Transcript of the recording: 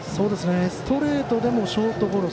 ストレートでもショートゴロ。